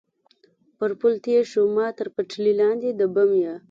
پر پل تېر شو، ما تر پټلۍ لاندې د بم یا.